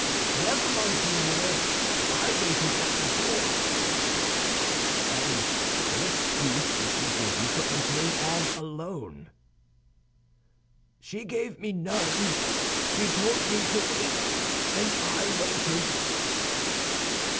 "Never, monseigneur; I waited at the door." "And what excuse did she give you for entering all alone?" "She gave me none; she told me to wait, and I waited."